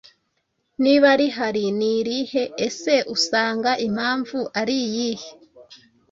Niba rihari ni irihe? Ese usanga impamvu ari iyihe?